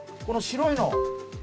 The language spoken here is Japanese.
この白いの？